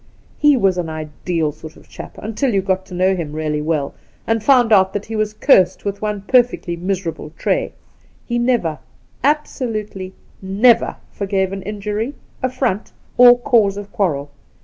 ' He was an ideal sort of chap, until you got to know him really well, and found out that he was cursed with one perfectly miserabl& trait. He never — absolutely never — forgave an injury, affront, or cause of quarrel.